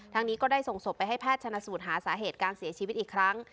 นี้ก็ได้ส่งศพไปให้แพทย์ชนะสูตรหาสาเหตุการเสียชีวิตอีกครั้ง